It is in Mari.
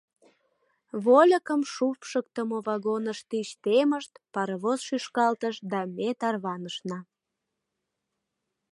Вольыкым шупшыктымо вагоныш тич темышт, паровоз шӱшкалтыш, да ме тарванышна.